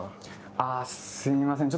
あすみません。